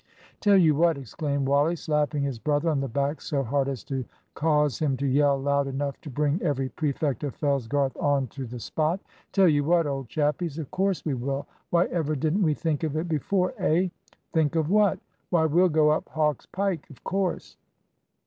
"Tell you what!" exclaimed Wally, slapping his brother on the back so hard as to cause him to yell loud enough to bring every prefect of Fellsgarth on to the spot. "Tell you what, old chappies; of course we will! Why ever didn't we think of it before eh?" "Think of what?" "Why, we'll go up Hawk's Pike, of course."